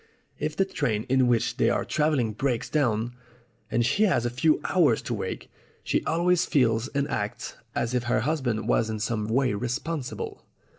If the train in which they are travelling breaks down, and she has a few hours to wait, she always feels and acts as if her husband was in some way responsible."